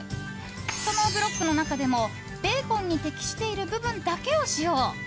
そのブロックの中でもベーコンに適している部分だけを使用。